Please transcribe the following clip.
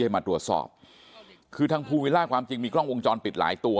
มาตรวจสอบคือทางภูวิลล่าความจริงมีกล้องวงจรปิดหลายตัว